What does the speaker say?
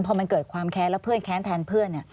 พอมันเกิดความแค้นแล้วเพื่อนแค้นแทนเพื่อน